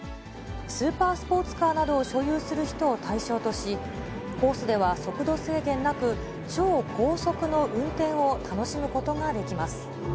スーパースポーツカーなどを所有する人を対象とし、コースでは速度制限なく、超高速の運転を楽しむことができます。